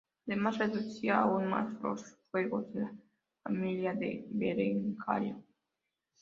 Además reducía aún más los feudos de la familia de Berengario.